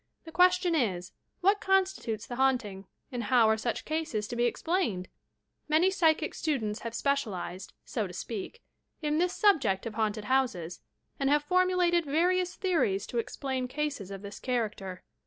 The question is: what constitutes the haunting and how are such cases to be explained J Many psychic students have special ized, BO to spealt, in this subject of haunted houses, and have formulated various theories to explain eases of this character.